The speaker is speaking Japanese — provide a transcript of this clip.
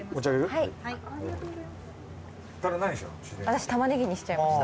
私玉ねぎにしちゃいました。